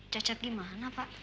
cacat di mana pak